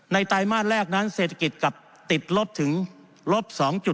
ไตรมาสแรกนั้นเศรษฐกิจกลับติดลบถึงลบ๒๕